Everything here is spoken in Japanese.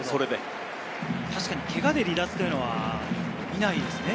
確かにけがで離脱というのは見ないですね。